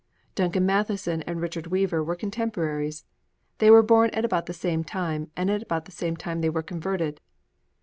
Duncan Matheson and Richard Weaver were contemporaries. They were born at about the same time; and, at about the same time they were converted.